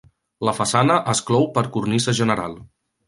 La façana es clou per cornisa general.